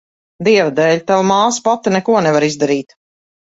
Dieva dēļ, tava māsa pati neko nevar izdarīt.